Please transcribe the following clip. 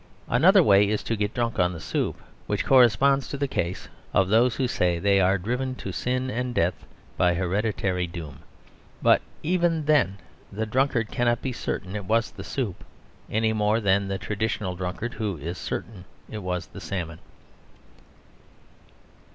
Another way is to get drunk on the soup, which corresponds to the case of those who say they are driven to sin and death by hereditary doom. But even then the drunkard cannot be certain it was the soup, any more than the traditional drunkard who is certain it was the salmon.